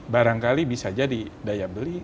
barangkali bisa jadi daya beli